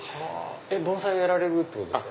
盆栽やられるってことですか？